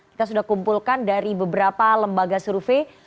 kita sudah kumpulkan dari beberapa lembaga survei